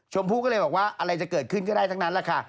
ผู้ก็เลยบอกว่าอะไรจะเกิดขึ้นก็ได้ทั้งนั้นแหละค่ะ